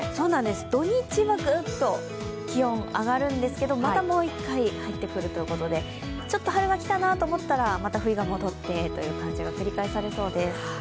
土日はグッと気温、上がるんですけどまたもう一回入ってくるということで、ちょっと春が来たなと思ったら、また冬が戻ってという感じが繰り返されそうです。